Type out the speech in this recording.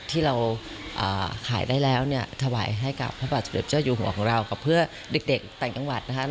ที่เราขายได้แล้วเนี่ยถวายให้กับพระบาทสมเด็จเจ้าอยู่หัวของเรากับเพื่อเด็กต่างจังหวัดนะครับ